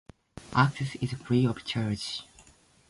Access is free of charge.